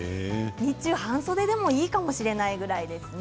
日中、半袖でもいいかもしれないくらいですね。